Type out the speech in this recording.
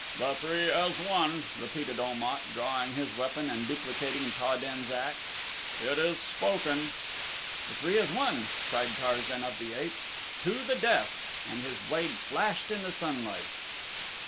"The three as one," repeated Om at, drawing his weapon and duplicating Ta den's act. "It is spoken!" "The three as one!" cried Tarzan of the Apes. "To the death!" and his blade flashed in the sunlight.